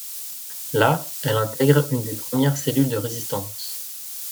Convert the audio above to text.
Là, elle intègre une des premières cellules de résistance.